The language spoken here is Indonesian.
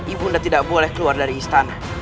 ibu ndaku tidak boleh keluar dari istana